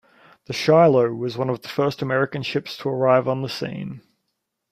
The "Shiloh" was one of the first American ships to arrive on scene.